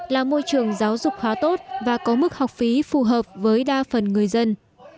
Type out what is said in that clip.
là môi trường giáo dục khá tốt và có mức học phí phù hợp với đa phần người dân